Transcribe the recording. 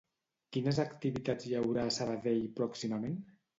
Quines activitats hi haurà a Sabadell pròximament?